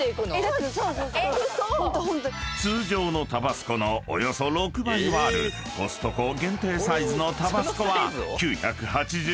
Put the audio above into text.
嘘⁉［通常のタバスコのおよそ６倍はあるコストコ限定サイズのタバスコは９８８円］